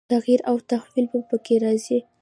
تغییر او تحول به په کې راځي.